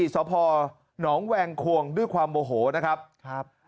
สพหนองแวงควงด้วยความโมโหนะครับ